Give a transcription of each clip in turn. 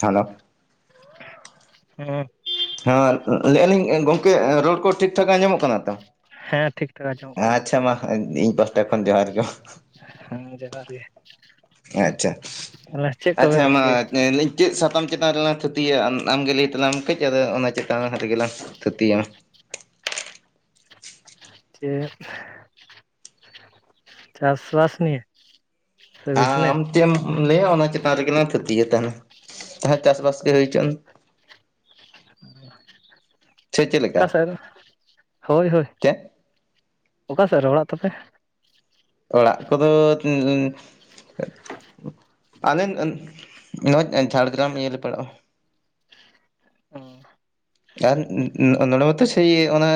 Hello [unintelligible] ᱦᱩᱸᱼᱼ ᱦᱮᱸ ᱞᱟᱹᱭᱼᱟ ᱞᱤᱧ ᱜᱚᱝᱠᱮ ᱨᱚᱲ ᱠᱚ ᱴᱷᱤᱠ ᱴᱷᱟᱠ ᱟᱸᱡᱚᱢᱚᱜ ᱠᱟᱱᱟ ᱛᱚ᱾ ᱦᱮᱸ ᱴᱷᱤᱠ ᱴᱷᱟᱠ ᱟᱸᱡᱚᱢᱚᱜ ᱠᱟᱱᱟ ᱟᱪᱪᱷᱟ ᱢᱟ ᱤᱧ ᱯᱟᱦᱴᱟ ᱠᱷᱚᱱ ᱡᱚᱦᱟᱨ ᱜᱮ᱾ ᱦᱮᱸ ᱡᱚᱦᱟᱨ ᱜᱮ ᱟᱪᱪᱷᱟ ᱛᱟᱦᱚᱞᱮ ᱪᱮᱫ ᱟᱪᱪᱷᱟ ᱠᱚᱵᱮᱱ ᱢᱟ ᱪᱤᱠᱟᱹᱭᱟ ᱞᱟᱹᱭᱼᱼ ᱪᱮᱫ ᱥᱟᱛᱟᱢ ᱪᱮᱛᱟᱱ ᱨᱮᱞᱟᱝ ᱛᱷᱩᱛᱤᱭᱟ ᱟᱢᱜᱮ ᱞᱟᱹᱭ ᱛᱟᱞᱟᱝ ᱢᱮ ᱠᱟᱹᱡ ᱟᱫᱚ ᱚᱱᱟ ᱪᱮᱛᱟᱱ ᱨᱮᱜᱮᱞᱟᱝ ᱛᱷᱩᱛᱤᱭᱟ᱾ ᱪᱮᱫ? ᱪᱟᱥ ᱵᱟᱥ ᱱᱤᱭᱮ ᱥᱮ ᱵᱤᱡᱽᱱᱮᱥ ᱟᱢ ᱪᱮᱫ ᱮᱢ ᱞᱟᱹᱭᱟ ᱚᱱᱟ ᱪᱮᱛᱟᱱ ᱨᱮᱜᱮ ᱞᱟᱝ ᱛᱷᱩᱛᱤᱭᱟ ᱛᱟᱦᱞᱮ᱾ ᱛᱟᱦᱮ ᱪᱟᱥ ᱵᱟᱥ ᱜᱮ ᱦᱩᱭ ᱦᱚᱪᱚᱱ᱾ ᱥᱮ ᱪᱮᱫ ᱞᱮᱠᱟ ᱚᱠᱟ ᱥᱮᱱ? ᱦᱳᱭ ᱦᱳᱭ᱾ ᱪᱮᱫ ᱚᱠᱟᱥᱮᱫ ᱨᱮ ᱚᱲᱟᱜ ᱛᱟᱯᱮ? ᱚᱲᱟᱜ ᱠᱚᱫᱚ ᱯᱟᱞᱮᱱ ᱱᱚᱜᱼᱚᱭ ᱡᱷᱟᱲᱜᱨᱟᱢ ᱤᱭᱟᱹᱮᱞᱮ ᱯᱟᱲᱟᱜᱼᱟ᱾ ᱚ᱾ ᱟᱨ ᱱᱚᱰᱮ ᱢᱟᱛᱚ ᱥᱮᱭ ᱚᱱᱟ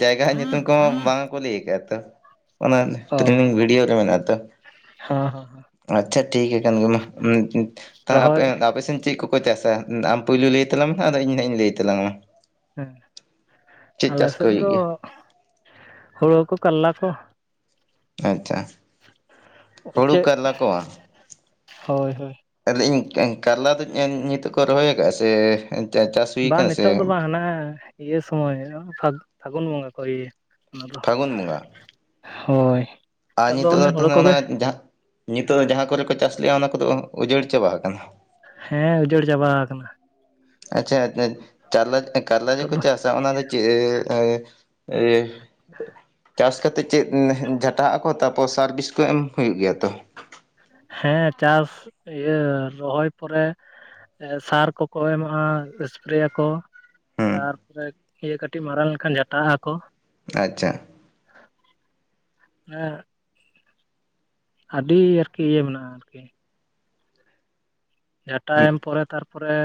ᱡᱟᱭᱜᱟ ᱧᱩᱛᱩᱢ ᱠᱚᱢᱟ ᱵᱟᱝ ᱠᱚ ᱞᱟᱹᱭ ᱠᱟᱜᱼᱟ ᱛᱚ ᱚᱱᱟ ᱦᱚᱸ ᱴᱤᱨᱱᱤᱝ ᱵᱷᱤᱰᱤᱭᱳ ᱨᱮ ᱢᱮᱱᱟᱜ ᱟᱛᱚ᱾ ᱦᱚᱸ ᱟᱪᱪᱷᱟ ᱴᱷᱤᱠ ᱟᱠᱟᱱ ᱜᱮ ᱢᱟ, ᱟᱯᱮ ᱨᱚᱦᱚᱭ ᱟᱯᱮᱥᱮᱱ ᱪᱮᱫ ᱠᱚ ᱠᱚ ᱪᱟᱹᱥᱼᱟ ᱟᱢ ᱯᱳᱭᱞᱳ ᱞᱟᱹᱭ ᱛᱟᱞᱟᱝ ᱢᱮᱱᱦᱟᱜ ᱟᱫᱚ ᱤᱧ ᱱᱟᱜᱼᱤᱧ ᱞᱟᱹᱭ ᱛᱟᱞᱟᱝᱼᱟ᱾ ᱦᱮᱸ, ᱟᱞᱮ ᱥᱮᱫ ᱫᱚ ᱜᱮᱭᱟ ᱦᱩᱲᱩ ᱠᱚ ᱠᱟᱨᱞᱟ ᱠᱚ᱾ ᱟᱪᱪᱷᱟ᱾ ᱦᱩᱲᱩ ᱪᱮᱫ? ᱠᱟᱨᱞᱟ ᱦᱳᱭ ᱦᱳᱭ᱾ ᱞᱟᱹᱭ ᱤᱧ ᱠᱟᱨᱞᱟ ᱫᱚ ᱧᱤᱛᱚᱜ ᱠᱚ ᱨᱚᱦᱚᱭ ᱠᱟᱫᱼᱟ ᱥᱮ ᱪᱟᱥ ᱦᱩᱭ ᱠᱟᱱᱟ ᱥᱮ ᱦᱟᱱᱮ ᱤᱭᱟᱹ ᱥᱚᱢᱚᱭ ᱯᱷᱟᱜ ᱯᱷᱟᱜᱟᱩᱱ ᱵᱚᱸᱜᱟ ᱠᱚ ᱤᱭᱟᱹ ᱚᱱᱟ ᱫᱚ᱾ ᱯᱷᱟᱹᱜᱩᱱ ᱦᱳᱭ᱾ ᱟ ᱱᱤᱛᱚᱜ ᱚᱱᱮ ᱫᱚ ᱦᱳᱲᱳ ᱛᱟᱦᱞᱮ ᱚᱱᱟ ᱠᱚᱜᱮ ᱡᱟᱦᱟᱸ ᱧᱤᱛᱚᱜ ᱫᱚ ᱡᱟᱦᱟᱸ ᱠᱚᱨᱮ ᱠᱚ ᱪᱟᱥ ᱞᱮᱼᱟ ᱚᱱᱟ ᱠᱚᱫᱚ ᱩᱡᱟᱹᱲ ᱪᱟᱵᱟ ᱠᱟᱱᱟ? ᱦᱮᱸ ᱩᱡᱟᱹᱲ ᱪᱟᱵᱟ ᱠᱟᱱᱟ᱾ ᱟᱪᱪᱷᱟ ᱪᱟᱨᱞᱟ ᱮ ᱠᱟᱨᱞᱟᱡ ᱡᱮ ᱱᱤᱛᱚᱜ ᱠᱚ ᱫᱚ ᱪᱟᱥ [unintelligible] ᱚᱱᱟ ᱫᱚ ᱪᱮᱫ ᱮᱻ ᱮᱻ ᱪᱟᱥ ᱠᱟᱛᱮ ᱪᱮᱫ ᱡᱷᱟᱴᱟᱣᱟᱜ-ᱟ ᱠᱚ ᱛᱟᱯᱚᱨ ᱥᱟᱨᱼᱵᱤᱥ ᱠᱚ ᱮᱢ ᱦᱩᱭᱩᱜ ᱜᱮᱭᱟ ᱛᱚ? ᱦᱮᱸ ᱪᱟᱥ ᱤᱭᱟᱹ ᱨᱚᱦᱚᱭ ᱯᱚᱨᱮ ᱮ ᱥᱟᱨ ᱠᱚᱠᱚ ᱮᱢᱟᱜᱼᱟ ᱮᱥᱯᱨᱮᱭᱟᱠᱚ᱾ ᱦᱩᱸ ᱛᱟᱨᱯᱚᱨᱮ ᱤᱭᱟᱹ ᱠᱟᱹᱴᱤᱡ ᱢᱟᱨᱟᱝ ᱞᱮᱱᱠᱷᱟᱱ ᱡᱟᱴᱟᱣᱟᱜᱼᱟ ᱠᱚ᱾ ᱟᱪᱪᱷᱟ᱾ [inaudible] ᱟᱹᱰᱤ ᱟᱨᱠᱤ ᱤᱭᱟᱹ ᱢᱮᱱᱟᱜᱼᱟ ᱟᱨᱠᱤ᱾ ᱡᱷᱟᱴᱟ ᱮᱢ ᱯᱚᱨᱮ ᱛᱟᱨᱯᱚᱨᱮ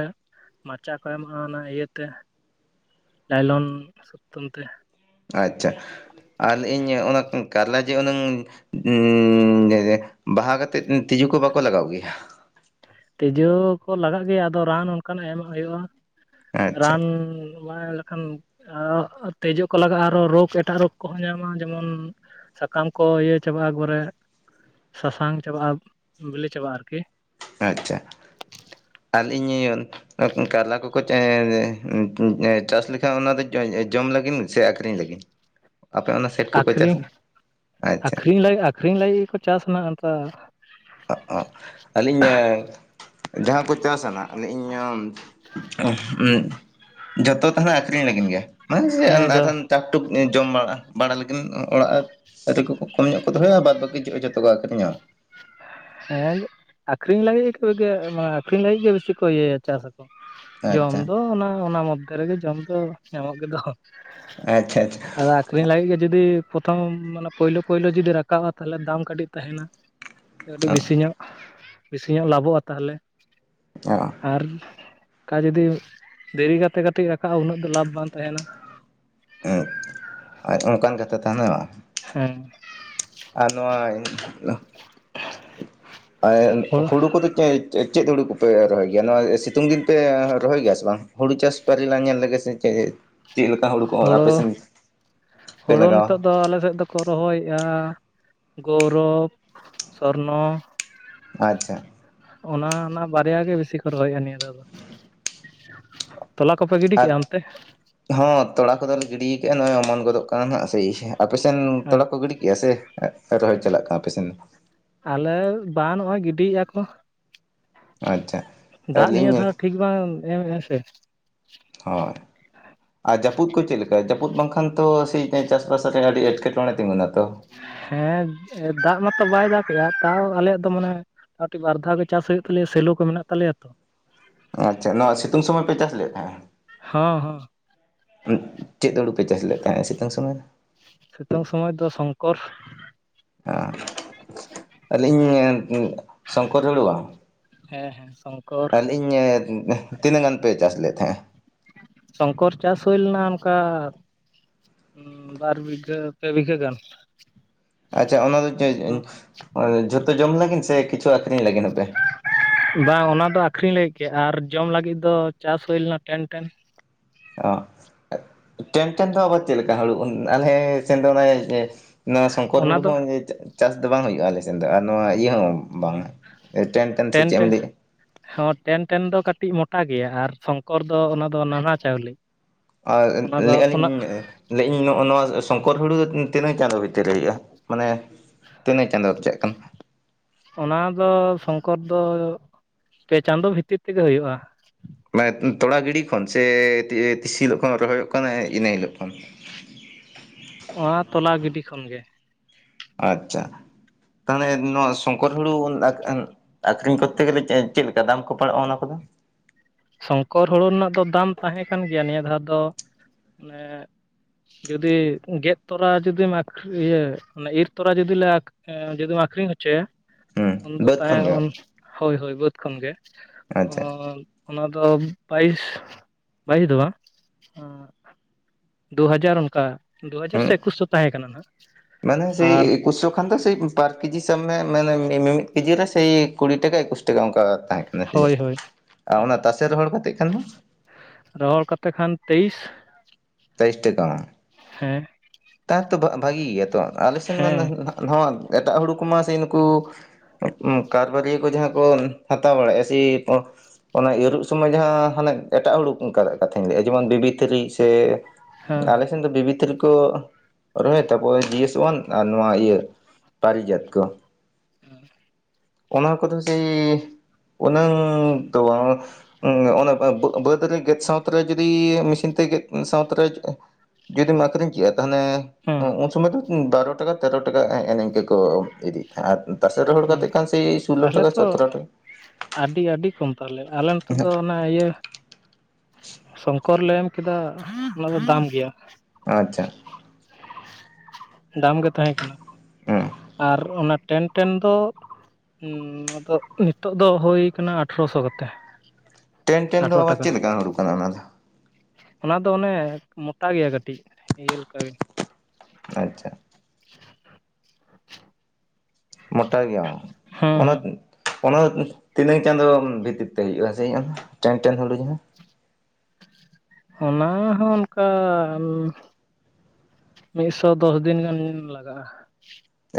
ᱢᱟᱪᱟ ᱠᱚ ᱮᱢᱟᱜᱼᱟ ᱚᱱᱟ ᱤᱭᱟᱹᱛᱮ ᱞᱟᱭᱞᱚᱱ ᱥᱩᱛᱟᱹᱢ ᱛᱮ᱾ ᱟᱪᱪᱷᱟ ᱟᱨ ᱞᱟᱹᱭ-ᱤᱧ ᱚᱱᱟ ᱠᱟᱨᱞᱟ ᱡᱚ ᱦᱩᱱᱟᱹᱝ ᱮᱻ ᱵᱟᱦᱟ ᱠᱟᱛᱮᱫ ᱛᱤᱡᱩ ᱠᱚ ᱵᱟᱠᱚ ᱞᱟᱜᱟᱣ ᱜᱮᱭᱟ? ᱛᱮᱡᱳ ᱠᱚ ᱞᱟᱜᱟᱜ ᱜᱮᱭᱟ ᱟᱫᱚ ᱨᱟᱱ ᱚᱱᱠᱟᱱᱟᱜ ᱮᱢᱟᱜ ᱦᱳᱭᱩᱜᱼᱟ ᱟᱪᱪᱷᱟ ᱨᱟᱱ ᱵᱟᱝ ᱮᱢ ᱞᱮᱠᱷᱟᱱ ᱛᱮᱡᱳ ᱠᱚ ᱞᱟᱜᱟᱜᱼᱟ ᱟᱨᱚ ᱨᱳᱜᱽ ᱮᱴᱟᱜ ᱨᱳᱜᱽ ᱠᱚᱦᱚᱸ ᱧᱟᱢᱟ ᱡᱮᱢᱚᱱ ᱥᱟᱠᱟᱢ ᱠᱚ ᱤᱭᱟᱹ ᱪᱟᱵᱟᱜᱼᱟ ᱮᱠᱵᱟᱨᱮ ᱥᱟᱥᱟᱝ ᱪᱟᱵᱟᱜᱼᱟ ᱵᱤᱞᱤ ᱪᱟᱵᱟᱜᱼᱟ ᱟᱨᱠᱤ᱾ ᱟᱪᱪᱷᱟ, ᱟᱹᱞᱤᱧ ᱠᱟᱨᱞᱟ ᱠᱚᱠᱚ ᱪᱟ ᱮᱻ ᱪᱟᱥ ᱞᱮ ᱠᱷᱟᱱ ᱚᱱᱟ ᱫᱚ ᱡᱚᱢ ᱞᱟᱹᱜᱤᱱ ᱥᱮ ᱟᱠᱷᱨᱤᱧ ᱞᱟᱹᱜᱤᱱ? ᱟᱯᱮ ᱚᱱᱟ ᱥᱟᱭᱤᱰ ᱠᱚᱠᱚ ᱪᱟᱥᱟ ᱟᱪᱪᱷᱟ᱾ ᱟᱹᱠᱷᱨᱤᱧ ᱞᱟᱹᱜᱤᱫ ᱜᱮᱠᱚ ᱪᱟᱥ ᱟᱱᱟ ᱟᱱᱛᱟ ᱚ ᱚ ᱟᱹᱞᱤᱧ ᱡᱟᱦᱟᱸ ᱠᱚ ᱪᱟᱥ ᱟᱱᱟᱜ ᱞᱟᱹᱭ ᱤᱧ ᱡᱷᱚᱛᱚ ᱛᱟᱦᱚᱞᱮ ᱟᱠᱷᱨᱤᱧ ᱞᱟᱹᱜᱤᱱ ᱜᱮ ᱢᱟᱱᱮ ᱦᱮᱸ ᱡᱚ [unintelligible] ᱴᱟᱠ ᱴᱩᱠ ᱡᱚᱢ ᱵᱟᱲᱟ ᱵᱟᱲᱟ ᱞᱟᱹᱜᱤᱱ ᱚᱲᱟᱜ [unintelligible] ᱠᱚᱢ ᱧᱚᱜ ᱠᱚ ᱫᱚᱦᱚᱭᱟ ᱵᱟᱫ ᱵᱟᱠᱤ ᱡᱷᱚᱛᱚ ᱠᱚ ᱟᱠᱷᱨᱤᱧᱟ? ᱦᱮᱸ ᱟᱠᱷᱨᱤᱧ ᱞᱟᱹᱜᱤᱫ ᱠᱚᱜᱮ ᱢᱟᱱᱮ ᱟᱠᱷᱨᱤᱧ ᱞᱟᱹᱜᱤᱫ ᱜᱮ ᱵᱤᱥᱤ ᱠᱚ ᱤᱭᱟᱹᱭᱟ ᱪᱟᱥᱼᱟ᱾ ᱡᱚᱢ ᱟᱪᱪᱷᱟ ᱫᱚ ᱚᱱᱟ ᱚᱱᱟ ᱢᱚᱫᱫᱷᱮ ᱨᱮᱜᱮ ᱡᱚᱢ ᱫᱚ ᱧᱟᱢᱚᱜ ᱜᱮᱫᱚ᱾ ᱟᱪᱪᱷᱟ ᱟᱪᱪᱷᱟ᱾ ᱟᱫᱚ ᱟᱠᱷᱨᱤᱧ ᱞᱟᱹᱜᱤᱫ ᱜᱮ ᱡᱩᱫᱤ ᱯᱨᱚᱛᱷᱚᱢ ᱢᱟᱱᱮ ᱯᱳᱭᱞᱳ ᱯᱳᱭᱞᱳ ᱡᱩᱫᱤ ᱨᱟᱠᱟᱵᱼᱟ ᱛᱟᱦᱚᱞᱮ ᱫᱟᱢ ᱠᱟᱹᱴᱤᱡ ᱛᱟᱦᱮᱱᱟ᱾ ᱟᱹᱰᱤ ᱵᱤᱥᱤ ᱧᱚᱜ ᱵᱤᱥᱤ ᱧᱚᱜ ᱞᱟᱵᱷᱚᱜᱼᱟ ᱛᱟᱦᱚᱞᱮ ᱚ ᱟᱨ ᱠᱟ ᱡᱩᱫᱤ ᱫᱮᱨᱤ ᱠᱟᱛᱮ ᱠᱟᱹᱴᱤᱡ ᱨᱟᱠᱟᱵᱼᱟ ᱩᱱᱟᱹᱜ ᱫᱚ ᱞᱟᱵᱷ ᱵᱟᱝ ᱛᱟᱦᱮᱱᱟ᱾ ᱟᱪ ᱚᱱᱠᱟᱱ ᱠᱟᱛᱷᱟ ᱛᱟᱦᱚᱞᱮ ᱵᱟᱝ ᱦᱮᱸ ᱟᱨ ᱱᱚᱣᱟ ᱦᱳᱲᱳ ᱦᱩᱲᱩ ᱠᱚᱫᱚ ᱪᱮᱫ ᱪᱮ ᱪᱮᱫ ᱦᱩᱲᱩ ᱠᱚᱯᱮ ᱨᱚᱦᱚᱭ ᱜᱮᱭᱟ᱾ ᱱᱚᱣᱟ ᱥᱤᱛᱩᱝ ᱫᱤᱱ ᱯᱮ ᱨᱚᱦᱚᱭ ᱜᱮᱭᱟ ᱥᱮ ᱵᱟᱝ, ᱦᱩᱲᱩ ᱪᱟᱥ ᱯᱟᱨᱤ ᱞᱟᱝ ᱧᱮᱞ ᱞᱮᱜᱮ ᱥᱮ ᱪᱮ ᱦᱳᱲᱳ ᱯᱮ ᱦᱳᱲᱳ ᱞᱟᱜᱟᱣᱟ ᱱᱤᱛᱳᱜ ᱫᱚ ᱟᱞᱮ ᱥᱮᱫ ᱫᱚ ᱠᱚ ᱨᱚᱦᱚᱭᱮᱫᱼᱟ ᱜᱳᱣᱨᱚᱵᱽ, ᱥᱚᱨᱱᱚ, ᱟᱪᱪᱷᱟ ᱚᱱᱟ ᱚᱱᱟ ᱵᱟᱨᱭᱟ ᱜᱮ ᱵᱤᱥᱤ ᱠᱚ ᱨᱚᱦᱚᱭᱮᱫᱼᱟ ᱱᱤᱭᱟᱹ ᱫᱷᱟᱣ ᱫᱚ ᱛᱚᱞᱟ ᱠᱚᱯᱮ ᱜᱤᱰᱤ ᱠᱮᱫᱼᱟ ᱟᱨ ᱚᱱᱛᱮ? ᱦᱚᱸ, ᱛᱚᱲᱟ ᱠᱚᱫᱚ ᱞᱮ ᱜᱤᱰᱤ ᱟᱠᱟᱫᱟ, ᱱᱚᱜᱼᱚᱭ ᱚᱢᱚᱱ ᱜᱚᱫᱚᱜ ᱠᱟᱱᱟ ᱦᱟᱸᱜ ᱥᱮᱭ ᱥᱮ᱾ [unintelligible] ᱟᱯᱮ ᱥᱮᱫ ᱦᱮᱸ ᱛᱚᱲᱟ ᱠᱚ ᱜᱤᱰᱤ ᱠᱮᱫᱟ ᱥᱮ ᱨᱚᱦᱚᱭ ᱪᱟᱞᱟᱜ ᱠᱟᱱᱟ ᱟᱯᱮ ᱥᱮᱱ? ᱟᱞᱮ ᱵᱟᱝ, ᱱᱚᱜᱼᱚᱭ ᱜᱤᱰᱤ ᱮᱫᱟ ᱠᱚ᱾ ᱟᱪᱪᱷᱟ ᱫᱟᱜ ᱱᱤᱭᱟᱹ ᱟᱹᱞᱤᱧ ᱫᱷᱟᱣ ᱴᱷᱤᱠ ᱵᱟᱝ ᱮᱢᱮᱫᱼᱟᱸ [unintelligible] ᱥᱮ, ᱦᱳᱸᱭ, ᱟᱨ ᱡᱟᱹᱯᱩᱫ ᱠᱚ ᱪᱮᱫ ᱞᱮᱠᱟ? ᱡᱟᱹᱯᱩᱫ ᱵᱟᱝᱠᱷᱟᱱ ᱛᱚ ᱥᱮ ᱪᱟᱥᱵᱟᱥ ᱨᱮ ᱟᱹᱰᱤ ᱮᱸᱴᱠᱮᱴᱚᱬᱮ ᱛᱤᱸᱜᱩᱱᱟ ᱛᱚ᱾ ᱦᱮᱸ, ᱫᱟᱜ ᱢᱟᱛᱚ ᱵᱟᱭ ᱫᱟᱜ ᱮᱫᱟ ᱛᱟᱣ ᱟᱞᱮᱭᱟᱜ ᱫᱚ ᱢᱟᱱᱮ ᱟᱨᱴᱤ [unintelligible] ᱵᱟᱨ ᱫᱷᱟᱣ ᱜᱮ ᱪᱟᱥ ᱦᱩᱭᱩᱜ ᱛᱟᱞᱮᱭᱟ ᱥᱮᱞᱳ ᱠᱚ ᱢᱮᱱᱟᱜ ᱛᱟᱞᱮᱭᱟ ᱛᱚ᱾ ᱟᱪᱪᱷᱟ, ᱱᱚᱣᱟ ᱥᱤᱛᱩᱝ ᱥᱚᱢᱚᱭ ᱯᱮ ᱪᱟᱥ ᱞᱮᱫ ᱛᱟᱦᱮᱸᱫ? ᱦᱚᱸ ᱦᱚᱸ [unintelligible] ᱪᱮᱫ ᱦᱩᱲᱩ ᱯᱮ ᱪᱟᱥ ᱞᱮᱫ ᱛᱟᱦᱮᱸᱫ ᱥᱤᱛᱩᱝ ᱥᱩᱢᱚᱭ? ᱥᱤᱛᱩᱝ ᱥᱚᱢᱚᱭ ᱫᱚ ᱥᱚᱝᱠᱚᱨ᱾ ᱦᱮᱸ [unintelligible] ᱟᱹᱞᱤᱧ ᱥᱚᱝᱠᱚᱨ ᱦᱩᱹᱲᱩ [unintelligible] ᱦᱮᱸ ᱦᱮᱸ ᱥᱚᱝ [unintelligible] ᱟᱹᱞᱤᱧ ᱮ [unintelligible] ᱛᱤᱱᱟᱹᱜ ᱜᱟᱱ ᱯᱮ ᱪᱟᱥ ᱞᱮᱫ ᱛᱟᱦᱮᱸᱫ? ᱥᱚᱝᱠᱚᱨ ᱪᱟᱥ ᱦᱩᱭ ᱞᱮᱱᱟ ᱚᱱᱠᱟ ᱵᱟᱨ ᱵᱤᱜᱷᱟᱹ ᱯᱮ ᱵᱤᱜᱷᱟᱹ ᱜᱟᱱ᱾ ᱟᱪᱪᱷᱟ, ᱚᱱᱟ ᱫᱚ ᱡᱷᱚᱛᱚ ᱡᱚᱢ ᱞᱟᱹᱜᱤᱫ ᱥᱮ ᱠᱤᱪᱷᱩ ᱟᱹᱠᱷᱨᱤᱧ ᱞᱟᱹᱜᱤᱫ ᱯᱮ? ᱵᱟᱝ ᱚᱱᱟ ᱫᱚ ᱟᱹᱠᱷᱨᱤᱧ ᱞᱟᱹᱜᱤᱫ ᱜᱮ ᱟᱨ ᱡᱚᱢ ᱞᱟᱹᱜᱤᱫ ᱫᱚ ᱪᱟᱥ ᱦᱩᱭ ᱞᱮᱱᱟ ᱴᱮᱱ ᱴᱮᱱ [unintelligible] ᱚ ᱴᱮᱱ ᱴᱮᱱ [unintelligible] ᱫᱚ ᱟᱵᱟᱨ ᱪᱮᱫ ᱞᱮᱠᱟ ᱦᱩᱲᱩ ᱟᱞᱮ [unintelligible] ‍? ᱥᱮᱱ ᱫᱚ ᱚᱱᱮ [unintelligible] ᱱᱚᱣᱟ ᱥᱚᱝᱠᱚᱨ ᱚᱱᱟ ᱦᱩᱲᱩ ᱫᱚ ᱦᱚᱸᱭ [unintelligible] ᱪᱟᱥ ᱫᱚ ᱵᱟᱝ ᱦᱩᱭᱩᱜᱼᱟ ᱟᱞᱮ ᱥᱮᱫ ᱫᱚ ᱟᱨ ᱱᱚᱣᱟ ᱤᱭᱟᱹ [unintelligible] ᱦᱚᱸ ᱵᱟᱝᱼᱟ ᱴᱮᱱ ᱴᱮᱱ [unintelligible] ᱥᱮ ᱪᱮᱫ ᱮᱢ ᱞᱟᱹᱭ ᱮᱭᱟ᱾ ᱦᱮᱸ, ᱴᱮᱱ ᱴᱮᱱ ᱫᱚ ᱠᱟᱹᱴᱤᱡ ᱢᱚᱴᱟ ᱜᱮᱭᱟ ᱟᱨ ᱥᱚᱝᱠᱚᱨ ᱫᱚ‌ ᱚᱱᱟ ᱫᱚ ᱱᱟᱱᱦᱟ ᱪᱟᱣᱞᱮ᱾ ᱟᱨ ᱚᱱᱟ ᱫᱚ ᱞᱟᱹᱭᱮᱫᱼᱟ [unintelligible] ᱚᱱᱟ ᱟᱹᱞᱤᱧ ᱞᱟᱹᱭ ᱤᱧ [unintelligible] ᱱᱚᱜ ᱱᱚᱣᱟ ᱥᱚᱝᱠᱚᱨ ᱦᱩᱲᱩ ᱛᱤᱱᱟᱹᱜ ᱪᱟᱸᱫᱳ ᱵᱷᱤᱛᱤᱨ ᱨᱮ ᱦᱩᱭᱩᱜᱼᱟ? ᱢᱟᱱᱮ ᱛᱤᱱᱟᱹᱜ ᱪᱟᱸᱫᱚ ᱨᱮᱭᱟᱜ ᱠᱟᱱᱟ? ᱚᱱᱟ ᱫᱚ ᱥᱚᱝᱠᱚᱨ ᱫᱚ ᱯᱮ ᱪᱟᱸᱫᱳ ᱵᱷᱤᱛᱤᱨ ᱛᱮᱜᱮ ᱦᱩᱭᱩᱜᱼᱟ᱾ ᱛᱚᱲᱟ ᱜᱤᱰᱤ ᱠᱷᱚᱱ ᱥᱮ ᱛᱤᱥ ᱦᱤᱞᱳᱜ ᱠᱷᱚᱱ ᱨᱚᱦᱚᱭᱚᱜ ᱠᱟᱱᱟ ᱤᱱᱟᱹ ᱦᱤᱞᱳᱜ ᱠᱷᱚᱱ? ᱚᱱᱟ ᱛᱚᱞᱟ ᱜᱤᱰᱤ ᱠᱷᱚᱱ ᱜᱮ᱾ ᱟᱪᱪᱷᱟ, ᱛᱟᱦᱚᱞᱮ ᱱᱚᱣᱟ ᱥᱚᱝᱠᱚᱨ ᱦᱩᱲᱩ [unintelligible] ᱟᱹᱠᱷᱨᱤᱧ ᱠᱚᱨᱛᱮ ᱜᱮᱞᱮ ᱪᱮᱫ ᱞᱮᱠᱟ ᱫᱟᱢ ᱠᱚ ᱯᱟᱲᱟᱜᱼᱟ ᱚᱱᱟ ᱠᱚᱫᱚ? ᱥᱚᱝᱠᱚᱨ ᱦᱩᱲᱩ ᱨᱮᱱᱟᱜ ᱫᱚ ᱫᱟᱢ ᱛᱟᱦᱮᱸ ᱠᱟᱱ ᱜᱮᱭᱟ ᱱᱤᱭᱟᱹ ᱫᱷᱟᱣ ᱫᱚ, [unintelligible] ᱡᱩᱫᱤ ᱜᱮᱫ ᱛᱚᱨᱟ ᱡᱩᱫᱤ ᱟᱠᱷ ᱤᱭᱟᱹ ᱢᱟᱱᱮ ᱤᱨ ᱛᱚᱨᱟ ᱡᱚᱫᱤ ᱞᱮ ᱟᱹᱠ ᱡᱚᱫᱤᱢ ᱟᱹᱠᱷᱨᱤᱧ ᱦᱚᱪᱚᱭᱟ, ᱦᱩᱸ ᱩᱱᱫᱚ ᱵᱟᱹᱫᱽ ᱛᱟᱦᱮ ᱠᱷᱚᱱ ᱜᱮ [unintelligible] ᱦᱳᱭ ᱦᱳᱭ ᱵᱟᱹᱫᱽ ᱠᱷᱚᱱ ᱜᱮ, ᱟᱪᱪᱷᱟ ᱚᱱᱟ ᱫᱚ ᱵᱟᱭᱤᱥ ᱵᱟᱭᱤᱥ ᱫᱚ ᱵᱟᱝ ᱟᱸ ᱫᱩ ᱦᱟᱡᱟᱨ ᱚᱱᱠᱟ ᱫᱩ ᱦᱟᱡᱟᱨ ᱦᱩᱸ ᱥᱮ ᱮᱠᱩᱥᱚ ᱛᱟᱦᱮᱸ ᱠᱟᱱᱟ ᱱᱟᱦᱟᱸᱜ ᱾ ᱢᱟᱱᱮ ᱥᱮᱭ ᱮᱠᱩᱥᱚ ᱠᱷᱟᱱ ᱫᱚ ᱥᱮ ᱯᱟᱨ ᱠᱮᱡᱤ ᱥᱟᱢ ᱢᱮ ᱢᱟᱱᱮ ᱢᱤ ᱢᱤᱢᱤᱫ ᱠᱮᱡᱤ ᱨᱮ ᱥᱮᱭ ᱠᱩᱲᱤ ᱴᱟᱠᱟ ᱮᱠᱩᱥ ᱴᱟᱠᱟ ᱚᱱᱠᱟ ᱛᱟᱦᱮᱸ ᱠᱟᱱᱟ᱾ ᱦᱳᱭ ᱦᱳᱭ ᱟ ᱚᱱᱟ ᱦᱳᱭ ᱛᱟᱥᱮ ᱨᱚᱦᱚᱲ ᱠᱟᱛᱮᱫ ᱠᱷᱟᱱ ᱦᱚ ᱨᱚᱦᱚᱲ ᱠᱟᱛᱮ ᱠᱷᱟᱱ ᱛᱮᱭᱤᱥ᱾ ᱛᱮᱭᱤᱥ ᱴᱟᱠᱟ᱾ ᱦᱮᱸ᱾ ᱛᱟᱦᱮ ᱛᱚ ᱵᱷᱟ ᱵᱷᱟᱜᱤ ᱜᱮᱭᱟ ᱛᱚ, ᱟᱞᱮ ᱥᱮᱫ ᱢᱟ ᱱᱟ ᱦᱮᱸ ᱱᱟᱣᱟ ᱮᱴᱟᱜ ᱦᱩᱲᱩ ᱠᱚᱢᱟ ᱥᱮ ᱮᱱᱠᱩ ᱠᱟᱨᱵᱟᱹᱨᱤᱭᱟᱹ ᱠᱚ ᱡᱟᱦᱟᱸᱭ ᱠᱚ ᱦᱟᱛᱟᱣ ᱵᱟᱲᱟᱭᱼᱟ ᱥᱮ ᱚᱱᱟ ᱤᱨᱩᱜ ᱥᱚᱢᱚᱭ ᱡᱟᱦᱟᱸ ᱦᱟᱱᱮ ᱮᱴᱟᱜ ᱦᱩᱲᱩ ᱚᱱᱠᱟ ᱱᱟᱜ ᱠᱟᱛᱷᱟᱧ ᱞᱟᱹᱭᱼᱟ ᱡᱮᱢᱚᱱ ᱵᱤᱵᱤ ᱛᱷᱤᱨᱤ ᱥᱮ ᱦᱮᱸ ᱟᱞᱮ ᱥᱮᱱ ᱫᱚ ᱵᱤᱵᱤ ᱛᱷᱤᱨᱤ ᱠᱚ ᱨᱚᱦᱚᱭ [unintelligible] ᱛᱟᱨᱯᱚᱨ ᱡᱤ ᱮᱥ ᱚᱣᱟᱱ ᱟᱨ ᱱᱚᱣᱟ ᱯᱟᱹᱨᱤ ᱡᱟᱹᱛ ᱠᱚ, ᱚᱱᱟ ᱠᱚᱫᱚ ᱡᱮ ᱩᱱᱟᱹᱝ ᱫᱚ ᱵᱟᱝ ᱚᱱᱟ ᱵᱟᱹ-ᱵᱟᱹᱫᱽ ᱨᱮ ᱜᱮᱫ ᱥᱟᱶᱛᱮ ᱨᱮ ᱡᱚᱫᱤ ᱢᱮᱥᱤᱱ ᱛᱮ ᱜᱮᱫ ᱥᱟᱶᱛᱮ ᱨᱮ ᱡᱩᱫᱤᱢ ᱟᱹᱠᱷᱨᱤᱧ ᱠᱮᱜ-ᱟ᱾ ᱛᱟᱦᱚᱞᱮ ᱦᱮᱸ ᱩᱱ ᱥᱩᱢᱚᱭ ᱫᱚ ᱵᱟᱨᱚ ᱴᱟᱠᱟ ᱛᱮᱨᱚ ᱴᱟᱠᱟ ᱦᱮᱜ ᱱᱤᱝᱠᱟ ᱠᱚ ᱤᱫᱤᱜ ᱟᱨ ᱛᱟᱥᱮ ᱨᱚᱦᱚᱲ ᱦᱮᱸ ᱠᱟᱛᱮᱜ ᱠᱷᱟᱱ ᱥᱮᱭ ᱥᱳᱞᱳ ᱛᱟᱦᱚᱞᱮ ᱴᱟᱠᱟ ᱛᱚ ᱥᱚᱛᱮᱨᱚ ᱴᱟᱠᱟ᱾ ᱟᱹᱰᱤ ᱟᱹᱰᱤ ᱠᱚᱢ ᱛᱟᱞᱮ ᱟᱞᱮ ᱱᱚᱛᱮ ᱫᱚ ᱚᱱᱟ ᱤᱭᱟᱹ ᱥᱚᱝᱠᱚᱨ ᱞᱮ ᱮᱢ ᱠᱮᱫᱟ ᱚᱱᱟ ᱫᱚ ᱫᱟᱢ ᱜᱮᱭᱟ᱾ ᱟᱪᱪᱷᱟ, ᱫᱟᱢ ᱜᱮ ᱛᱟᱦᱮᱸᱠᱟᱱᱟ ᱦᱩᱸ ᱟᱨ ᱚᱱᱟ ᱴᱮᱱᱴ- ᱴᱮᱱ ᱫᱚ ᱟᱫᱚ ᱱᱤᱛᱚᱜ ᱫᱚ ᱦᱩᱭ ᱟᱠᱟᱱᱟ ᱟᱴᱷᱨᱚ ᱥᱚ ᱠᱟᱛᱮ᱾ ᱴᱮᱱ-ᱴᱮᱱ ᱫᱚ ᱟᱴᱷᱨᱚ ᱟᱵᱟᱨ ᱴᱟᱠᱟ ᱪᱮᱫ ᱞᱮᱠᱟ ᱦᱩᱲᱩ ᱠᱟᱱᱟ ᱚᱱᱟ ᱫᱚ? ᱚᱱᱟ ᱫᱚ ᱚᱱᱮ ᱢᱚᱴᱟ ᱜᱮᱭᱟ ᱠᱟᱹᱴᱤᱡ ᱤᱭᱟᱹᱞᱮᱠᱟ ᱜᱮ᱾ ᱟᱪᱪᱷᱟ, ᱢᱳᱴᱟ ᱜᱮᱭᱟ ᱦᱮᱸ ᱚᱱᱟ ᱦᱮᱸ ᱚᱱᱟ ᱛᱤᱱᱟᱹᱝ ᱪᱟᱸᱫᱳ ᱵᱷᱤᱛᱤᱨ ᱛᱮ ᱦᱩᱭᱩᱜ-ᱟ ᱥᱮ ᱤᱧ ᱴᱮᱱ ᱴᱮᱱ ᱦᱩᱲᱩ ᱡᱟᱦᱟᱸ? ᱚᱱᱟ ᱦᱚᱸ ᱚᱱᱠᱟ ᱢᱤᱫ ᱥᱚ ᱫᱚᱥ ᱫᱤᱱ ᱜᱟᱱ ᱞᱟᱜᱟᱜ-ᱟ᱾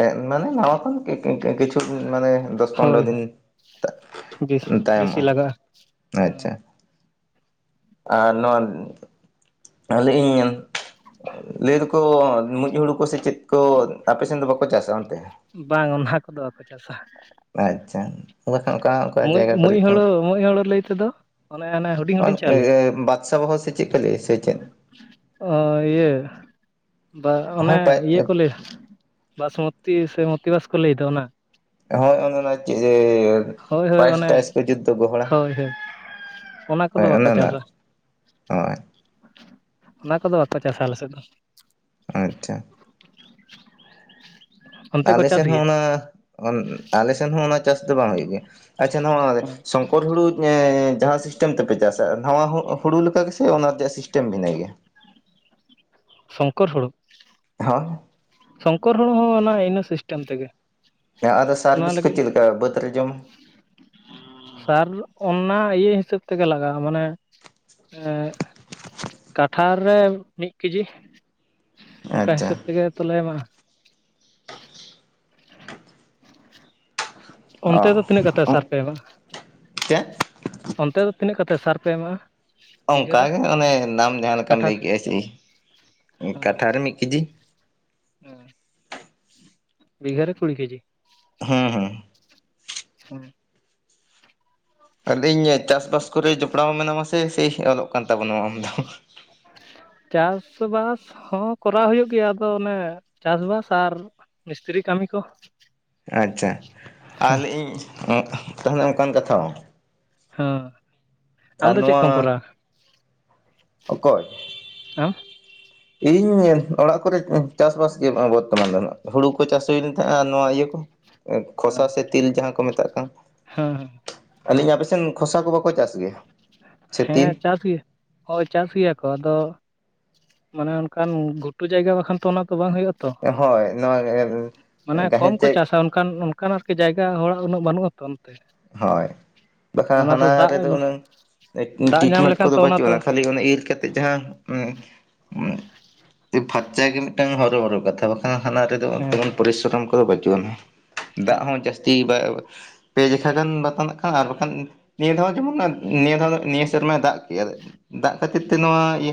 ᱮ ᱢᱟᱱᱮ ᱱᱟᱣᱟ ᱠᱷᱚᱱ ᱠᱤ ᱠᱤᱪᱷᱩ ᱢᱟᱱᱮ ᱫᱚᱥ ᱯᱚᱱᱨᱚ ᱦᱳᱭ ᱫᱤᱱ ᱦᱳᱭ ᱵᱮᱥ ᱵᱮᱥᱤ ᱛᱟᱭᱚᱢᱜ-ᱟ᱾ ᱞᱟᱜᱟᱜᱼᱟ ᱦᱮᱸ ᱟᱪᱪᱷᱟ, ᱟᱨ ᱱᱚᱣᱟ ᱟᱹᱞᱮ ᱤᱧ ᱞᱟᱹᱭ ᱫᱚᱠᱚ ᱢᱩᱸᱡ ᱦᱩᱲᱩ ᱠᱚ ᱥᱮ ᱪᱮᱫ ᱠᱚ ᱟᱯᱮ ᱥᱮᱱ ᱫᱚ ᱵᱟᱠᱚ ᱪᱟᱥᱟ ᱚᱱᱛᱮ? ᱵᱟᱝ ᱚᱱᱟ ᱠᱚᱫᱚ ᱵᱟᱠᱚ ᱪᱟᱥᱟ᱾ ᱟᱪᱪᱷᱟ ᱵᱟᱠᱷᱟᱱ ᱚᱠᱟ ᱚᱠᱟ ᱢᱩᱡ ᱡᱟᱭᱜᱟ ᱢᱩᱡ ᱠᱚᱨᱮ ᱦᱩᱲᱩ ᱪᱚᱝ ᱢᱩᱡ ᱦᱩᱲᱩ ᱞᱟᱹᱭ ᱛᱮᱫᱚ ᱚᱱᱮ ᱚᱱᱮ ᱦᱩᱰᱤᱧ ᱦᱩᱰᱤᱧ ᱪᱟᱣᱞᱮ᱾ [unintelligible] ᱥᱮ ᱪᱮᱫ ᱯᱮ ᱞᱟᱹᱭᱟ ᱥᱮ ᱪᱮᱫ? ᱚ ᱤᱭᱟᱹ ᱵᱟ ᱚᱱᱮ ᱦᱳᱭ ᱤᱭᱟᱹ ᱠᱚ ᱞᱮ ᱵᱟᱥᱢᱚᱛᱤ ᱥᱮ ᱢᱚᱛᱤᱵᱟᱥ ᱠᱚ ᱞᱟᱹᱭ ᱫᱚ ᱚᱱᱟ? ᱦᱳᱭ ᱚᱱ ᱚᱱᱟ ᱪᱮᱻ ᱦᱳᱭ ᱦᱳᱭ ᱯᱟᱭᱮᱥ ᱚᱱᱮ ᱴᱟᱭᱮᱥ ᱠᱚ ᱡᱩᱫᱽ ᱫᱚ ᱜᱚᱦᱚᱲᱟ᱾ ᱦᱳᱭ ᱦᱳᱭ ᱚᱱᱟ ᱠᱚᱫᱚ ᱦᱳᱭ ᱚᱱᱮ ᱵᱟᱠᱚ ᱚᱱᱟ, ᱪᱟᱥᱟ ᱦᱳᱭ᱾ ᱚᱱᱟ ᱠᱚᱫᱚ ᱵᱟᱠᱚ ᱪᱟᱥᱟ ᱟᱞᱮ ᱥᱮᱫ ᱫᱚ᱾ ᱟᱪᱪᱷᱟ᱾ [unintelligible] ᱚᱱᱛᱮ ᱠᱚ ᱟᱞᱮ ᱪᱟᱥ ᱥᱮᱱ ᱦᱚᱸ ᱜᱮᱭᱟ ᱚᱱᱟ ᱟᱞᱮ ᱥᱮᱱ ᱦᱚᱸ ᱚᱱᱟ ᱪᱟᱥ ᱫᱚ ᱵᱟᱝ ᱦᱩᱭᱩᱜ ᱜᱮᱭᱟ ᱟᱪᱪᱷᱟ ᱱᱚᱣᱟ ᱥᱚᱝ ᱠᱚᱨ ᱦᱩᱲᱩ ᱮᱻ ᱡᱟᱦᱟᱸ ᱥᱤᱥᱴᱮᱢ ᱛᱮᱯᱮ ᱪᱟᱥᱟ ᱱᱟᱣᱟ ᱦᱩᱲᱩ ᱞᱮᱠᱟ ᱜᱮ ᱥᱮ ᱚᱱᱟ ᱨᱮᱭᱟᱜ ᱥᱤᱥᱴᱮᱢ ᱵᱷᱤᱱᱟᱹ ᱜᱮᱭᱟ? ᱥᱚᱝᱠᱚᱨ ᱦᱩᱲᱩ? ᱦᱮᱸ᱾ ᱥᱚᱝᱠᱚᱨ ᱦᱩᱲᱩ ᱦᱚᱸ ᱚᱱᱟ ᱤᱱᱟᱹ ᱥᱤᱥᱴᱮᱢ ᱛᱮᱜᱮ᱾ ᱦᱮᱸ ᱟᱫᱚ ᱚᱱᱟ ᱥᱟᱨᱵᱷᱤᱥ ᱠᱚ ᱞᱟᱹᱜᱤᱫ ᱪᱮᱫ ᱞᱮᱠᱟ ᱵᱟᱹᱫᱽ ᱨᱮ ᱡᱚᱢ ᱥᱟᱨ ᱚᱱᱟ ᱤᱭᱟᱹ ᱦᱤᱥᱟᱹᱵ ᱛᱮᱜᱮ ᱞᱟᱜᱟᱜᱼᱟ ᱢᱟᱱᱮ ᱮᱜ ᱠᱟᱴᱷᱟ ᱨᱮ ᱫᱚ ᱢᱤᱫ ᱠᱮᱡᱤ ᱚᱱᱠᱟ ᱟᱪᱪᱷᱟ ᱦᱤᱥᱟᱹᱵ ᱛᱮᱜᱮ ᱛᱚᱞᱮ ᱮᱢᱟᱜ-ᱟ᱾ [inaudible] ᱚᱱᱛᱮ ᱫᱚ ᱛᱤᱱᱟᱹᱜ ᱠᱟᱛᱮ ᱚ ᱥᱟᱨ ᱯᱮ ᱮᱢᱟᱜᱼᱟ, ᱪᱮᱫ ᱚᱱᱛᱮ ᱫᱚ ᱛᱤᱱᱟᱹᱜ ᱠᱟᱛᱮ ᱥᱟᱨ ᱯᱮ ᱮᱢᱟᱜᱼᱟ᱾ ᱵᱤᱜᱷᱟᱹ ᱚᱱᱠᱟ ᱨᱮ ᱜᱮ ᱚᱱᱮ ᱱᱟᱢ ᱡᱟᱦᱟᱸ ᱞᱮᱠᱟᱢ ᱠᱟᱴᱷᱟ ᱞᱟᱹᱭ ᱨᱮ? ᱠᱮᱫᱼᱟ ᱥᱮ, ᱢᱤᱫ ᱦᱚᱸ ᱠᱟᱴᱷᱟᱨ ᱨᱮ ᱢᱤᱫ ᱠᱮᱡᱤ᱾ ᱦᱮᱸ ᱵᱤᱜᱽ ᱨᱮ ᱠᱩᱲᱤ ᱠᱮᱡᱤ᱾ ᱦᱩᱸ ᱦᱩᱸ ᱦᱮᱸ [unintelligible] ᱟᱞᱤᱧ ᱜᱮ ᱪᱟᱥᱵᱟᱥ ᱠᱚᱨᱮ ᱡᱚᱯᱲᱟᱣ ᱢᱮᱱᱟᱢᱟᱥᱮ ᱥᱮ ᱚᱞᱚᱜ ᱠᱟᱱ ᱛᱟᱵᱚᱱᱟ ᱟᱢᱫᱚ᱾ ᱪᱟᱥᱵᱟᱥ ᱦᱚᱸ ᱠᱚᱨᱟᱣ ᱦᱩᱭᱩᱜ ᱜᱮᱭᱟ ᱟᱫᱚ ᱚᱱᱮ ᱪᱟᱥᱵᱟᱥ ᱟᱨ ᱢᱤᱥᱛᱨᱤ ᱠᱟᱹᱢᱤ ᱠᱚ ᱟᱪᱪᱷᱟ ᱟᱨ ᱞᱟᱹᱭ ᱤᱧ ᱚᱱᱮ ᱚᱱᱠᱟᱱ ᱠᱟᱛᱷᱟ ᱵᱟᱝ ᱦᱮᱸ ᱟᱢ ᱟᱨ ᱫᱚ ᱪᱮᱫ ᱠᱚᱢ ᱱᱚᱣᱟ ᱠᱚᱨᱟᱣᱟ? ᱚᱠᱚᱭ? ᱟᱢ ᱤᱧ ᱚᱲᱟᱜ ᱠᱚᱨᱮ ᱪᱟᱥᱵᱟᱥ ᱜᱮ ᱵᱚᱨᱛᱚᱢᱟᱱ ᱫᱚ ᱱᱚᱜᱼᱚᱭ, ᱦᱩᱲᱩ ᱠᱚ ᱪᱟᱥ ᱦᱩᱭ ᱞᱮᱱ ᱛᱟᱦᱮᱸᱱᱟ ᱱᱚᱣᱟ ᱤᱭᱟᱹ ᱠᱚᱼᱼ ᱠᱷᱚᱥᱟ ᱥᱮ ᱛᱤᱞ ᱡᱟᱦᱟᱸ ᱠᱚ ᱢᱮᱛᱟᱜ ᱠᱟᱱ᱾ ᱦᱩᱸ ᱦᱩᱸ ᱟᱹᱞᱤᱧ ᱟᱯᱮᱥᱮᱫ ᱠᱷᱚᱥᱟ ᱠᱚ ᱵᱟᱠᱚ ᱪᱟᱥ ᱜᱮᱭᱟ? ᱥᱮ ᱦᱮᱸ ᱛᱤᱞ? ᱪᱟᱥ ᱜᱮ ᱦᱚᱭ ᱪᱟᱥ ᱜᱮᱭᱟᱠᱚ ᱟᱫᱚ, ᱢᱟᱱᱮ ᱚᱱᱠᱟᱱ ᱜᱷᱩᱴᱩ ᱡᱟᱭᱜᱟ ᱵᱟᱠᱷᱟᱱ ᱛᱚ ᱚᱱᱟ ᱫᱚ ᱵᱟᱝ ᱦᱩᱭᱩᱜ-ᱟ᱾ ᱦᱚᱭ ᱱᱚᱣᱟ ᱜᱮ ᱜᱟᱦᱤᱨ ᱠᱚᱢ ᱠᱚ ᱪᱮᱫ? ᱪᱟᱥᱟ ᱚᱱᱠᱟᱱ ᱚᱱᱠᱟᱱ ᱟᱨᱠᱤ ᱡᱟᱭᱜᱟ ᱦᱚᱲᱟᱜ ᱩᱱᱟᱹᱜ ᱵᱟᱹᱱᱩᱜ ᱟᱛᱚᱼᱼ ᱦᱚᱭ ᱵᱟᱠᱷᱟᱱ ᱫᱚ ᱦᱟᱱᱟ ᱫᱟᱜ ᱨᱮᱫᱚ ᱩᱩᱱᱟᱹᱝ, ᱫᱟᱜ ᱧᱟᱢ ᱴᱨᱤᱴᱢᱮᱱᱴ ᱞᱮᱠᱷᱟᱱ ᱠᱚᱫᱚ ᱛᱚ ᱚᱱᱟ ᱵᱟᱹᱪᱩᱜᱼᱟ ᱫᱚ [unintelligible] ᱚᱱᱟ ᱤᱨ ᱠᱟᱛᱮᱫ ᱡᱟᱦᱟᱸ [unintelligible] ᱯᱷᱷᱟᱪᱟ ᱜᱮ ᱢᱤᱫᱴᱟᱝ ᱦᱚᱨᱚ ᱵᱚᱨᱚ ᱠᱟᱛᱷᱟ ᱫᱚ ᱦᱟᱱᱟ ᱨᱮᱫ ᱦᱮᱸ ᱯᱚᱨᱤᱥᱨᱚᱢ ᱠᱚᱫᱚ ᱵᱟᱹᱪᱩᱟᱱᱤᱡ, ᱫᱟᱜ ᱦᱮᱸ ᱦᱚᱸ ᱡᱟᱹᱥᱛᱤ ᱵᱟᱭᱼᱼ ᱯᱮ ᱡᱚᱠᱷᱚᱡ ᱫᱚ ᱱᱚᱛᱮ ᱱᱟᱜᱠᱷᱟᱱ ᱵᱟᱠᱷᱟᱱ ᱱᱤᱭᱟᱹ ᱫᱷᱟᱣ ᱡᱮᱢᱚᱱ ᱱᱤᱭᱟᱹ ᱫᱷᱟᱣ ᱱᱤᱭᱟᱹ ᱥᱮᱨᱢᱟ ᱫᱟᱜ ᱠᱮᱫᱼᱟᱭ ᱫᱟᱜ ᱠᱷᱟᱹᱛᱤᱨ ᱛᱮ ᱱᱚᱣᱟ ᱤᱭᱟᱹ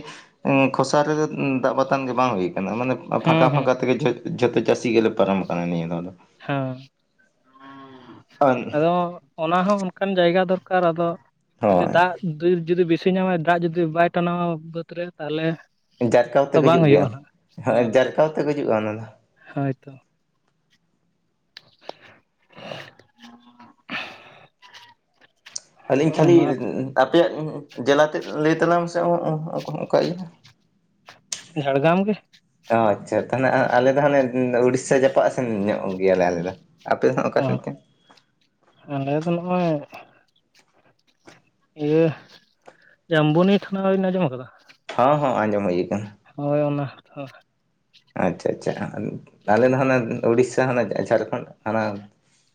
ᱠᱷᱚᱥᱟ ᱨᱮᱫᱚ ᱫᱟᱜ ᱵᱟᱛᱟᱝ ᱵᱟᱝ ᱦᱩᱭᱩᱜ ᱾ ᱢᱟᱱᱮ ᱦᱮᱸ ᱯᱷᱟᱸᱠᱟ ᱦᱮᱸ ᱯᱷᱟᱸᱠᱟ ᱛᱮᱜᱮ ᱡᱷᱚᱛᱚ ᱪᱟᱹᱥᱤ ᱜᱮᱞᱮ ᱯᱟᱨᱚᱢ ᱟᱠᱟᱱᱟ ᱱᱤᱭᱟᱹ ᱫᱷᱟᱣ ᱫᱚ᱾ ᱦᱮᱸ ᱟᱫᱚᱼᱼ ᱚᱱᱟ ᱦᱚᱸ ᱚᱱᱠᱟᱱ ᱡᱟᱭᱜᱟ ᱫᱚᱨᱠᱟᱨ ᱟᱫᱚ, ᱡᱩᱫᱤ ᱦᱳᱭ ᱫᱟᱜᱼᱼ ᱫᱩᱨ ᱡᱩᱫᱤ ᱵᱤᱥᱤ ᱧᱟᱢᱟᱭ ᱫᱟᱜ ᱡᱩᱫᱤ ᱵᱟᱭ ᱴᱟᱱᱟᱣᱟ ᱵᱟᱹᱫᱽ ᱨᱮᱼᱼ ᱛᱟᱦᱚᱞᱮᱼᱼ ᱡᱟᱨᱠᱟᱣ ᱛᱮ ᱜ ᱜᱩᱡᱩᱜ ᱜᱮᱭᱟ, ᱦᱮᱸ ᱡᱟᱨᱠᱟᱣ ᱛᱮ ᱜᱩᱡᱩ-ᱟ ᱚᱱᱟ ᱫᱚ᱾ ᱦᱚᱭ ᱛᱚ [inaudible] ᱟᱹᱞᱤᱧ ᱠᱷᱟᱹᱞᱤ ᱚᱱᱟ ᱟᱯᱮᱭᱟᱜ ᱡᱮᱞᱟ ᱛᱮᱫ ᱞᱟᱹᱭ ᱛᱟᱞᱟᱢ ᱥᱮ ᱚᱠᱟ ᱤᱭᱟᱹ ᱡᱷᱟᱲᱜᱟᱢ ᱜᱮ᱾ ᱚ ᱟᱪᱪᱷᱟ ᱛᱟᱦᱚᱞᱮ ᱟᱞᱮ ᱫᱚ ᱦᱟᱱᱮ ᱩᱲᱤᱥᱥᱟ ᱡᱟᱯᱟᱜᱼᱟ ᱥᱮᱱ ᱧᱚᱜ ᱜᱮᱭᱟᱞᱮ ᱟᱞᱮ ᱫᱚ᱾ ᱟᱯᱮ ᱫᱚ ᱚᱠᱟᱥᱮᱱ ᱠᱷᱚᱱ [unintelligible] ᱟᱰᱮ ᱫᱚ ᱱᱚᱜᱼᱚᱭ ᱤᱭᱟᱹ ᱡᱟᱢᱵᱚᱱᱤ ᱛᱷᱟᱱᱟ ᱵᱤᱱ ᱟᱸᱡᱚᱢ ᱟᱠᱟᱫᱟ? ᱦᱚᱸ ᱦᱚᱸ ᱟᱸᱡᱚᱢ ᱮ ᱟᱠᱟᱱᱟ᱾ ᱦᱚᱭ ᱚᱱᱟᱼᱼ ᱟᱪᱪᱷᱟ ᱟᱪᱪᱷᱟ ᱛᱟᱦᱞᱮ ᱫᱚ ᱡᱠ ᱩᱲᱤᱥᱥᱟ ᱦᱟᱱᱟ ᱡᱷᱟᱲᱠᱷᱚᱸᱰ ᱦᱟᱱᱟ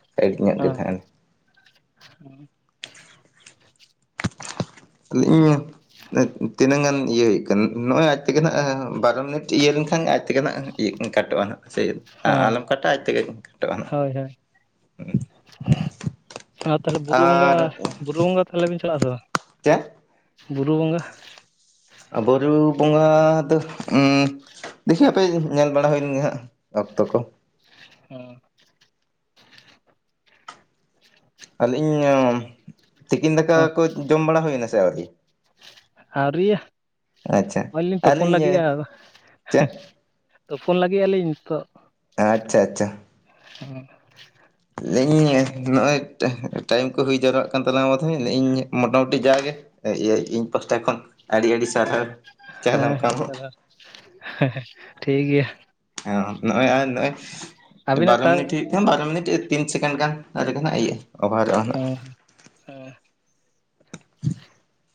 [unintelligible] ᱦᱮᱸ [unintelligible] ᱤᱧ [unintelligible] ᱛᱤᱱᱟᱹᱜ ᱜᱟᱱ ᱤᱭᱟᱹ ᱦᱩᱭᱩᱜ ᱠᱟᱱᱟ, ᱱᱚᱜᱼᱚᱭ ᱟᱡᱽ ᱛᱮᱜᱮ ᱱᱟᱜ ᱵᱟᱨᱚ ᱢᱤᱱᱤᱴ ᱤᱭᱟᱹ ᱞᱮᱱᱠᱷᱟᱱ ᱟᱡᱽ ᱛᱮᱜᱮ ᱱᱟᱜᱼᱼ ᱠᱟᱴᱟᱜ-ᱟ ᱦᱟᱸᱜ ᱦᱚᱸ ᱟᱞᱚᱢ ᱠᱟᱴᱟᱜᱼᱟ, ᱟᱡ ᱛᱮᱜ ᱠᱟᱴᱟᱜᱼᱟ ᱦᱟᱸᱜ ᱦᱳᱭ ᱦᱳᱭ ᱦᱩᱸ ᱟᱨ ᱛᱟᱦᱚᱞᱮ ᱵᱩᱨᱩ ᱵᱚᱸᱜᱟ ᱵᱩᱨᱩ, ᱵᱚᱸᱜᱟ ᱛᱟᱦᱚᱞᱮ ᱵᱮᱱ ᱪᱟᱞᱟᱜ ᱟᱥᱮ ᱵᱟᱝ? ᱪᱮᱫ? ᱵᱩᱨᱩ ᱵᱚᱸᱜᱟ ᱵᱩᱨᱩ ᱵᱚᱸᱜᱟ ᱫᱚᱼᱼ ᱫᱤᱭᱮ ᱦᱟᱯᱮ ᱧᱮᱞ ᱵᱟᱲᱟ ᱦᱩᱭ ᱞᱮᱜᱮ ᱦᱟᱸᱜ ᱚᱠᱛᱚ ᱠᱚ᱾ ᱦᱮᱸ [unintelligible] ᱟᱹᱞᱤᱧ ᱛᱤᱠᱤᱱ ᱫᱟᱠᱟ ᱦᱚᱸ ᱠᱚ ᱡᱚᱢ ᱵᱟᱲᱟ ᱦᱩᱭᱱᱟ ᱥᱮ ᱟᱣᱨᱤ? ᱟᱹᱣᱨᱨᱤᱭᱟ, ᱱᱚᱜᱼᱚᱭ ᱞᱤᱧ ᱛᱩᱯᱳᱱ ᱟᱹᱞᱤᱧ ᱞᱟᱹᱜᱤᱫᱼᱟ ᱟᱫᱚᱼᱼ ᱪᱮᱫ ᱛᱚ ᱯᱷᱳᱱ ᱞᱟᱹᱜᱤᱫ ᱟᱹᱞᱤᱧ ᱱᱤᱛᱚᱜ᱾ ᱟᱪᱪᱷᱟ ᱟᱪᱪᱷᱟ ᱦᱩᱸ [unintelligible] ᱞᱟᱹᱭ ᱤᱧ ᱱᱚᱜᱼᱚᱭ, ᱴᱟᱭᱤᱢ ᱠᱚ ᱦᱩᱭ ᱡᱟᱣᱨᱟᱜ ᱠᱟᱱ ᱛᱟᱞᱟᱝ ᱢᱟᱫᱷᱮ ᱤᱧ ᱢᱚᱴᱟᱢᱩᱴᱤ ᱡᱟᱜᱮᱼᱼ ᱤᱭᱟᱹ ᱤᱧ ᱯᱟᱦᱴᱟ ᱠᱷᱚᱱ ᱟᱹᱰᱤ ᱟᱹᱰᱤ ᱥᱟᱨᱦᱟᱣ ᱪᱟᱞ ᱟᱢᱠᱟ. ᱱᱟ. ᱧ ᱾ ᱦᱮ [unintelligible] ᱴᱷᱤᱠ ᱜᱮᱭᱟ᱾ ᱱᱚᱜᱼᱚᱭ ᱟᱨ ᱱᱚᱜᱼᱚᱭ ᱟᱹᱵᱤᱱᱟᱜ ᱵᱟᱨᱚ ᱴᱟ ᱦᱮᱸ ᱢᱤᱱᱤᱴᱤ ᱵᱟᱨᱚ ᱢᱤᱱᱤᱴ ᱛᱤᱱ ᱥᱮᱠᱮᱱᱰ ᱜᱟᱱ ᱨᱮᱜᱮ ᱦᱟᱸᱜ ᱤᱭᱟᱹᱼᱟ᱾ ᱦᱩᱸ ᱦᱩᱸ